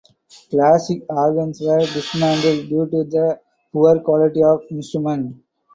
Classic organs were dismantled due to the poor quality of the instrument.